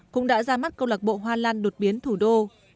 cũng đã ra mắt câu lạc bộ hoa lan đột biến thủ đô